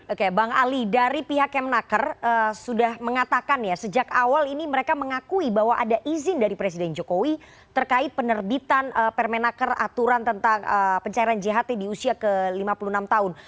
oke bang ali dari pihak kemenaker sudah mengatakan ya sejak awal ini mereka mengakui bahwa ada izin dari presiden jokowi terkait penerbitan permenaker aturan tentang pencairan jht di usia ke lima puluh enam tahun